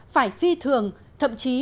phải phi thường thậm chí